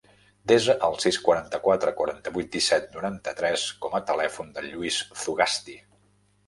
Desa el sis, quaranta-quatre, quaranta-vuit, disset, noranta-tres com a telèfon del Lluís Zugasti.